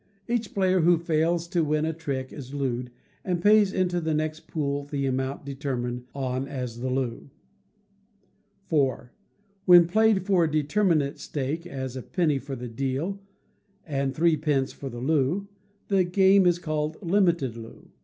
Each player who fails to win a trick is looed, and pays into the next pool the amount determined on as the loo. iv. When played for a determinate stake, as a penny for the deal and three pence for the loo, the game is called Limited Loo.